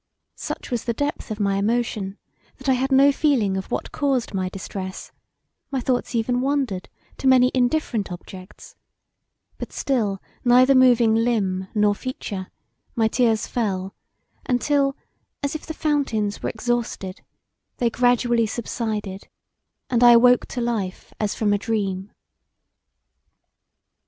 Such was the depth of my emotion that I had no feeling of what caused my distress, my thoughts even wandered to many indifferent objects; but still neither moving limb or feature my tears fell untill, as if the fountains were exhausted, they gradually subsided, and I awoke to life as from a dream.